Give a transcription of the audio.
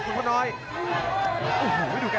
ต้องการสวัสดีค่ะ